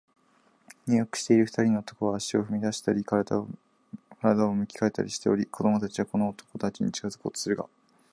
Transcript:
入浴している二人の男は、足を踏みならしたり、身体を向き変えたりしており、子供たちはこの男たちに近づこうとするが、